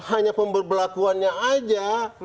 hanya pembelakuannya aja